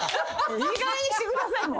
いいかげんにしてください。